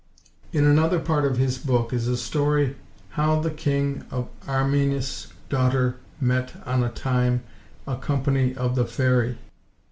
In another part of his book is a story "Howe the Kynge of Armenis daughter mette on a tyme a companie of the fairy."